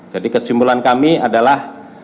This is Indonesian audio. jadi kesimpulan kami adalah